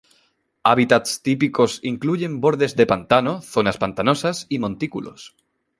Hábitats típicos incluyen bordes de pantano, zonas pantanosas, y montículos.